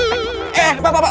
eh eh pak pak pak